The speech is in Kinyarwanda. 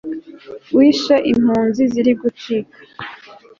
wishe impunzi ziri gucika